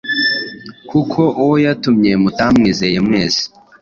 kuko uwo yatumye mutamwizeye mwese.